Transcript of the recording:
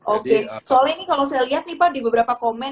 oke soalnya ini kalau saya lihat nih pak di beberapa komen